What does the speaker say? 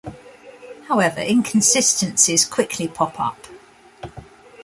However, inconsistencies quickly pop up.